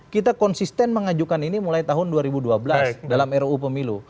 kita konsisten mengajukan ini mulai tahun dua ribu dua belas dalam ruu pemilu